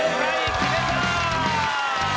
決めたー！